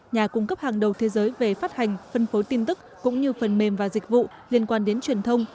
nhà cung cấp hàng đầu thế giới về phát hành phân phối tin tức cũng như phần mềm và dịch vụ liên quan đến truyền thông